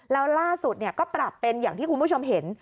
แล้วล่าสุดก็ปรับเป็นอย่างที่คุณผู้ชมเห็น